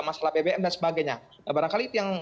masalah bbm dan sebagainya barangkali itu yang